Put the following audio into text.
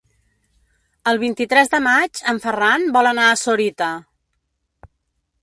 El vint-i-tres de maig en Ferran vol anar a Sorita.